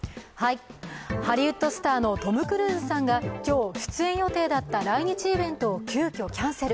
ハリウッドスターのトム・クルーズさんが、今日、出演予定だった来日イベントを急きょキャンセル。